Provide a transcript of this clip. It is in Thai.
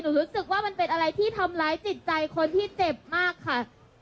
รู้สึกว่ามันเป็นอะไรที่ทำร้ายจิตใจคนที่เจ็บมากค่ะ